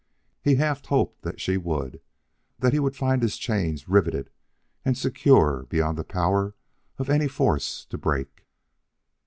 He half hoped that she would; that he would find his chains riveted and secure beyond the power of any force to break.